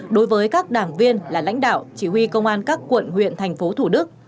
đối với các đảng viên là lãnh đạo chỉ huy công an các quận huyện thành phố thủ đức